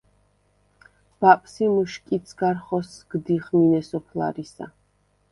ბაპს ი მჷშკიდს გარ ხოსგდიხ მინე სოფლარისა.